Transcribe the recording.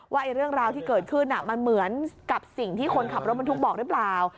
ว่าเรื่องราวที่เกิดขึ้นมันเหมือนกับสิ่งที่คนขับรถบรรทุกบอกหรือเปล่า